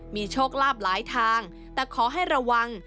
มีโชคลาภหลายทางแต่ขอให้ระวัง